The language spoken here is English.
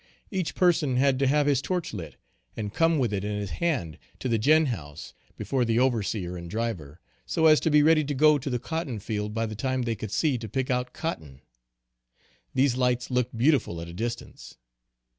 Each person had to have his torch lit, and come with it in his hand to the gin house, before the overseer and driver, so as to be ready to go to the cotton field by the time they could see to pick out cotton. These lights looked beautiful at a distance.